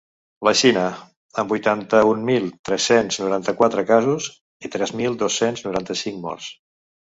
La Xina, amb vuitanta-un mil tres-cents noranta-quatre casos i tres mil dos-cents noranta-cinc morts.